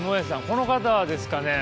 この方ですかね。